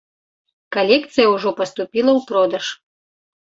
Калекцыя ўжо паступіла ў продаж.